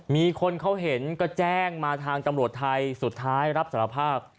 มีคนเขาเห็นก็แจ้งมาทางตำรวจไทยสุดท้ายรับสารภาพ